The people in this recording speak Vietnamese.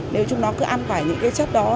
nếu chúng nó cứ ăn phải những chất đó